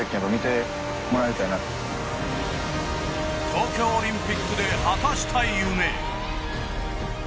東京オリンピックで果たした夢。